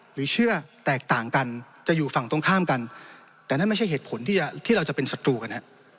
หรือเชื่อแตกต่างกันจะอยู่ฝั่งตรงข้ามกันแต่นั่นไม่ใช่เหตุผลที่เราจะเป็นศัตรูกันฮะ